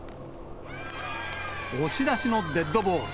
押し出しのデッドボール。